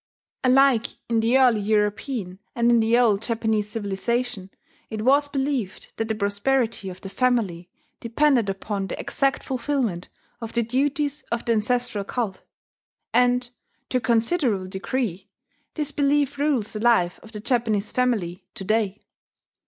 Alike in the early European and in the old Japanese civilization it was believed that the prosperity of the family depended upon the exact fulfilment of the duties of the ancestral cult; and, to a considerable degree, this belief rules the life of the Japanese family to day.